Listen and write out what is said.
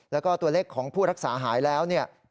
แล้วก็ตัวเลขของผู้รักษาหายแล้วเนี่ย